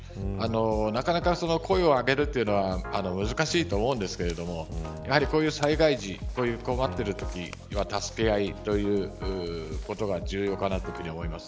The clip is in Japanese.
なかなか声を上げるというのは難しいと思うんですけれどもやはり、こういう災害時困っているときには助け合いということが重要かなと思います。